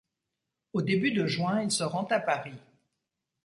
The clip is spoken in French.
Au début de juin, il se rend à Paris.